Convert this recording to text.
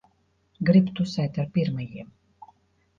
Grib tusēt ar pirmajiem.